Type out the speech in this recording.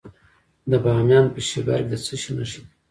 د بامیان په شیبر کې د څه شي نښې دي؟